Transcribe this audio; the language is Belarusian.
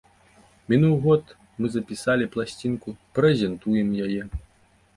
Мінуў год, мы запісалі пласцінку, прэзентуем яе.